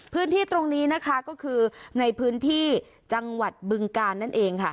พื้นที่ตรงนี้นะคะก็คือในพื้นที่จังหวัดบึงกาลนั่นเองค่ะ